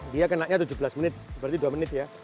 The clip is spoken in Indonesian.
dia kenanya tujuh belas menit berarti dua menit ya